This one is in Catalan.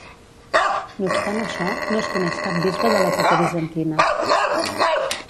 No obstant això, no es coneix cap bisbe de l'època bizantina.